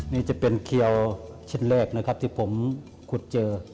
นี่จะเป็นเขียวเช่นแรกนะครับที่ผมขุดเจอ